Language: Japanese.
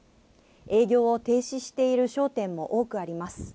営業を停止している商店も多くあります。